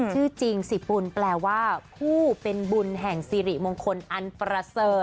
ชื่อจริงสิปุ่นแปลว่าผู้เป็นบุญแห่งสิริมงคลอันประเสริฐ